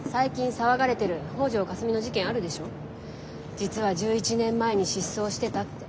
実は１１年前に失踪してたって。